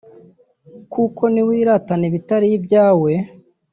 kuko niwiratana ibitari ibyawe